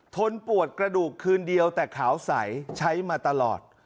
นปวดกระดูกคืนเดียวแต่ขาวใสใช้มาตลอด